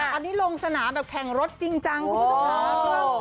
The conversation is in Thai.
ตอนนี้ลงสนามแบบแข่งรถจริงจังคุณผู้ชมค่ะ